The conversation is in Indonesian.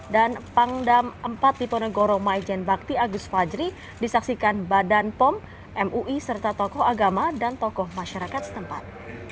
dan pangdam empat diponegoro maijen bakti agus fajri disaksikan badan pom mui serta tokoh agama dan tokoh masyarakat setempat